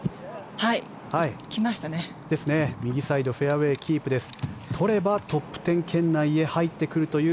右サイドフェアウェーキープです。